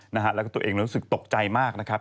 แล้วก็ตัวเองรู้สึกตกใจมากนะครับ